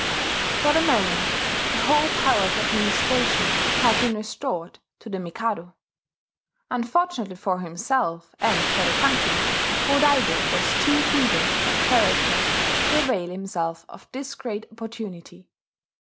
For the moment the whole power of administration had been restored to the Mikado. Unfortunately for himself and for the country, Go Daigo was too feeble of character to avail himself of this great opportunity.